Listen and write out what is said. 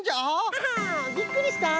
ハハびっくりした？